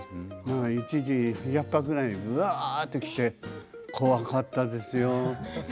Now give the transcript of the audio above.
一時２００羽ぐらいうわっと来て怖かったですよ。